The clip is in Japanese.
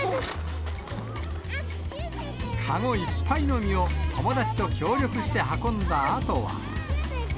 籠いっぱいの実を、友達と協力して運んだあとは。